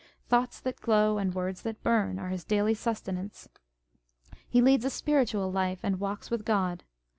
" Thoughts that glow, and words that burn " are his daily sustenance. He leads a spiritual life, and walks with God.